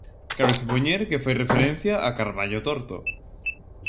Cabe supoñer que fai referencia a Carballo Torto.